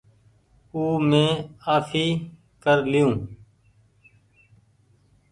او مينٚ آڦي ڪر لئيو